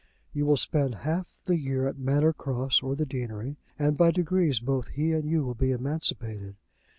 You will spend half the year at Manor Cross or the deanery, and by degrees both he and you will be emancipated.